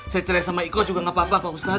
saya cerai sama iko juga nggak apa apa pak ustadz